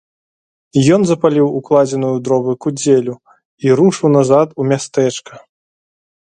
Ён запаліў укладзеную ў дровы кудзелю і рушыў назад у мястэчка.